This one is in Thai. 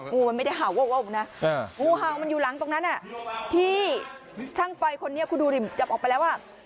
งูมันไม่ได้เห่าวนะงูเห่ามันอยู่หลังตรงนั้นที่ช่างไฟคนนี้คุณดูดิดับออกไปแล้วอ่ะ